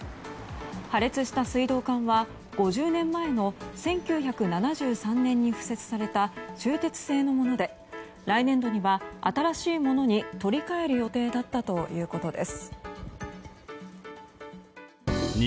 破裂した水道管は５０年前の１９７３年に敷設された鋳鉄製のもので来年度には新しいものに取り替える予定だったということです。